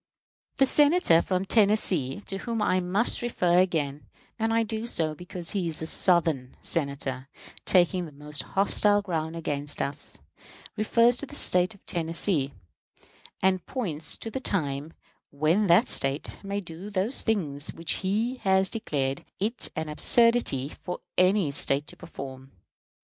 The Senator from Tennessee, to whom I must refer again and I do so because he is a Southern Senator taking the most hostile ground against us, refers to the State of Tennessee, and points to the time when that State may do those things which he has declared it an absurdity for any State to perform.